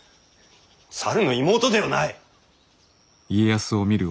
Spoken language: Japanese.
猿の妹ではない。